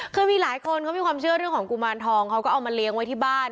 คือมีหลายคนเขามีความเชื่อเรื่องของกุมารทองเขาก็เอามาเลี้ยงไว้ที่บ้าน